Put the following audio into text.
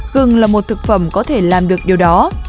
gừng là một thực phẩm có thể làm được điều đó